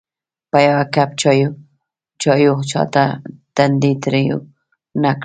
په یوه کپ چایو چاته تندی تریو نه کړ.